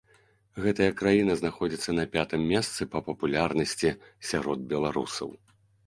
Гэтая краіна знаходзіцца на пятым месцы па папулярнасці сярод беларусаў.